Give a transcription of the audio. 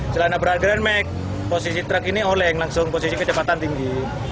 setelah nabrak geran meg posisi truk ini oleng langsung posisi kecepatan tinggi